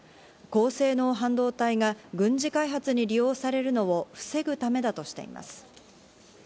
高性能半導体が軍事開発に利用されるのを防ぐためだとしています。